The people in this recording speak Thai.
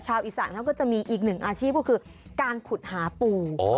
ชาวอีซานเขาก็จะมีอีก๑อาร์ชีพก็คือการขุดหาปู